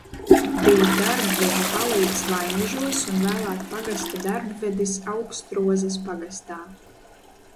Bij darbveža palīgs Vainižos un vēlāk pagasta darbvedis Augstrozes pagastā.